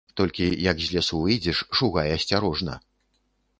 Толькі, як з лесу выйдзеш, шугай асцярожна.